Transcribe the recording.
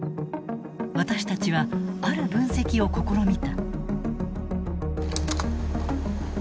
私たちはある分析を試みた。